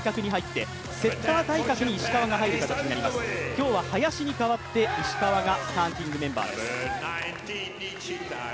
今日は林に代わって石川がスターティングメンバーです。